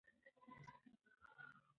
هغوی به تجربه ترلاسه کړې وي.